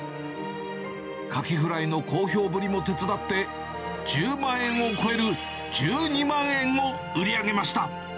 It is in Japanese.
カキフライの好評ぶりも手伝って、１０万円を超える１２万円を売り上げました。